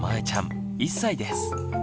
ちゃん１歳です。